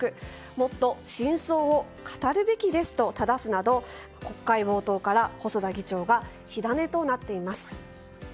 もっと真相を語るべきですとただすなど国会冒頭から細田議長が火種となっています。